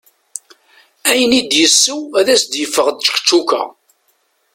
Ayen i d-iseww ad as-d-yeffeɣ d ččekčuka.